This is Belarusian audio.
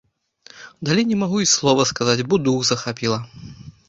Далей не магу і слова сказаць, бо дух захапіла.